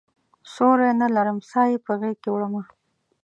سیوری نه لرم سایې په غیږکې وړمه